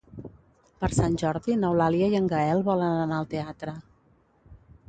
Per Sant Jordi n'Eulàlia i en Gaël volen anar al teatre.